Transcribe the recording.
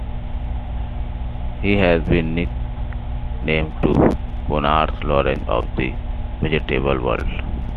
He has been nicknamed the "Konrad Lorenz of the vegetable world".